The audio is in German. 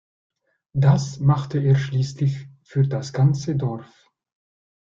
Das machte er schließlich für das ganze Dorf.